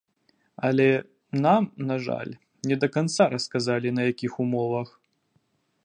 Але нам, на жаль, не да канца расказалі, на якіх умовах.